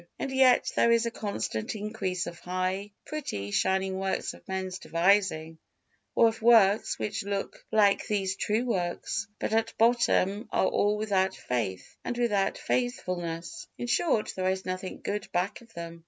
And yet there is a constant increase of high, pretty, shining works of men's devising, or of works which look like these true works, but at bottom are all without faith and without faithfulness; in short, there is nothing good back of them.